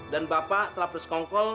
dan bapak telah beruskongkol